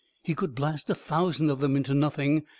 He could blast a thousand of them into nothing.